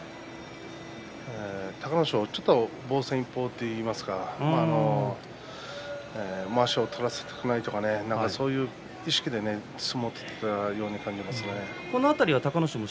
隆の勝、ちょっと防戦一方といいますかまわしを取らせたくないというかそういう意識で相撲を取っていたような感じがしました。